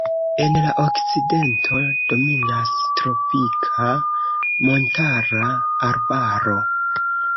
En la okcidento dominas tropika montara arbaro.